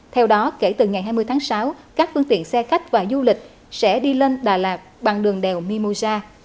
theo đó kể từ ngày hai mươi tháng sáu các phương tiện xe khách và du lịch sẽ đi lên đà lạt bằng đường đèo mimosa